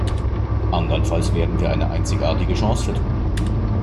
Andernfalls werden wir eine einzigartige Chance vertun.